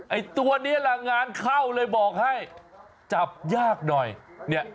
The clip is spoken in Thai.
ไอ้ตัวนี้ล่ะงานเข้าเลยบอกให้จับยากหน่อยเนี่ย